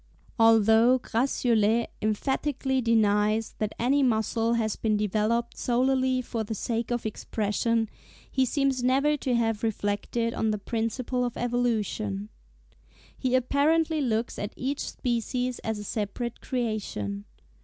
Although Gratiolet emphatically denies that any muscle has been developed solely for the sake of expression, he seems never to have reflected on the principle of evolution. He apparently looks at each species as a separate creation.